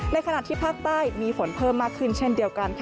ขณะที่ภาคใต้มีฝนเพิ่มมากขึ้นเช่นเดียวกัน